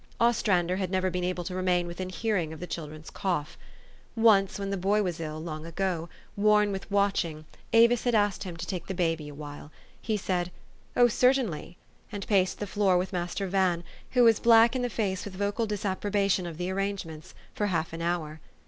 Ostrander had never been able to remain within hearing of the children's cough. Once when the boy was ill, long ago, worn with watching, Avis had asked him to take the baby a while. He said, "Oh, certainly !" and paced the floor with Master Van, who was black in the face with vocal disappro bation of the arrangements, for half an hour.